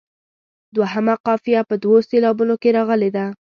دوهمه قافیه په دوو سېلابونو کې راغلې ده.